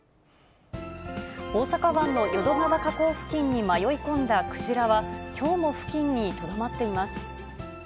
大阪湾の淀川河口付近に迷い込んだクジラは、きょうも付近にとどまっています。